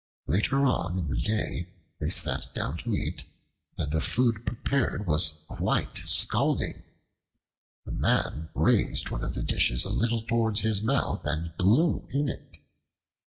Later on in the day they sat down to eat, and the food prepared was quite scalding. The Man raised one of the dishes a little towards his mouth and blew in it.